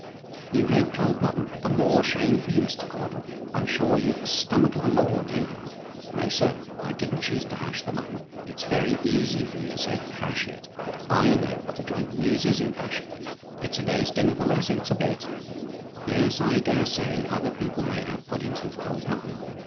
"You hate cold mutton. The more shame for you, Mr. Caudle. I'm sure you've the stomach of a lord, you have. No, sir: I didn't choose to hash the mutton. It's very easy for you to say hash it; but I know what a joint loses in hashing: it's a day's dinner the less, if it's a bit. Yes, I daresay; other people may have puddings with cold mutton.